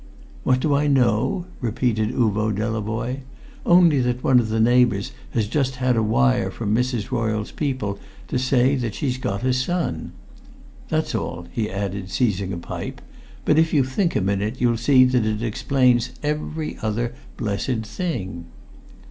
"What do I know?" repeated Uvo Delavoye. "Only that one of the neighbours has just had a wire from Mrs. Royle's people to say that she's got a son! That's all," he added, seizing a pipe, "but if you think a minute you'll see that it explains every other blessed thing."